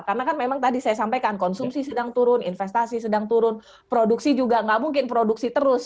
karena kan memang tadi saya sampaikan konsumsi sedang turun investasi sedang turun produksi juga nggak mungkin produksi terus